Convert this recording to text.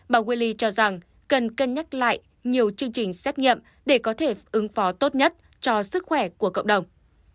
bà welly cho rằng cần cân nhắc lại nhiều chương trình xét nghiệm để có thể ứng phó tốt nhất cho sức khỏe của cộng đồng